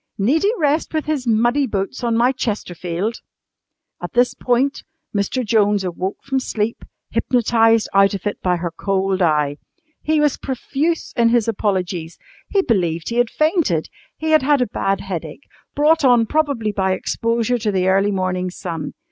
"Need he rest with his muddy boots on my chesterfield?" At this point Mr. Jones awoke from sleep, hypnotised out of it by her cold eye. He was profuse in his apologies. He believed he had fainted. He had had a bad headache, brought on probably by exposure to the early morning sun.